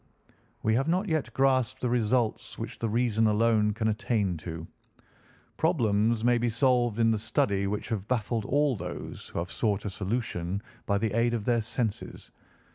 We have not yet grasped the results which the reason alone can attain to. Problems may be solved in the study which have baffled all those who have sought a solution by the aid of their senses.